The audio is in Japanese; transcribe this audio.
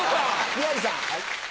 宮治さん。